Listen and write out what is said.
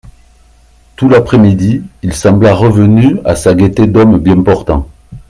Tout l'après-midi, il sembla revenu à sa gaieté d'homme bien portant.